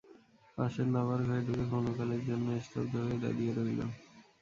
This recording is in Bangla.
পাশের নাবার ঘরে ঢুকে ক্ষণকালের জন্যে স্তব্ধ হয়ে দাঁড়িয়ে রইল।